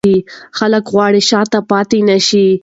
خلک غواړي شاته پاتې نه شي.